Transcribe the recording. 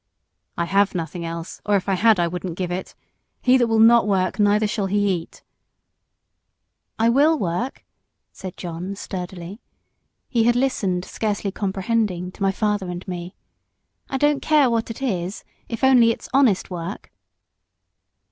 "I have nothing else, or if I had I wouldn't give it. He that will not work neither shall he eat." "I will work," said John, sturdily he had listened, scarcely comprehending, to my father and me. "I don't care what it is, if only it's honest work."